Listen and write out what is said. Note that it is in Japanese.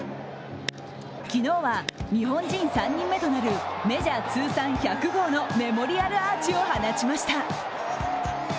昨日は日本人３人目となるメジャー通算１００号のメモリアルアーチを放ちました。